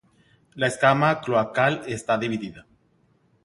La escama cloacal está dividida.